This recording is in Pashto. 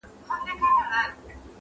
چى وطن ته دي بللي خياطان دي،